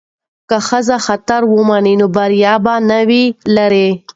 که ښځې خطر ومني نو بریا به نه وي لرې.